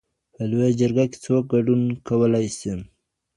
په لویه جرګه کي څوک ګډون کولای سي؟